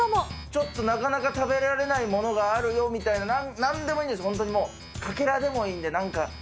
ちょっとなかなか食べられないものがあるよ、みたいな、なんでもいいんです、本当にもう、かけらでもいいんで、なんか。